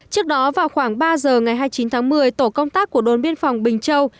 trước đó vào khoảng ba giờ ngày hai mươi chín tháng một mươi tổ công tác của đồn biên phòng bình châu